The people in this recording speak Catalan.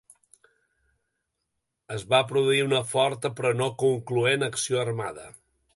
Es va produir una forta, però no concloent, acció armada.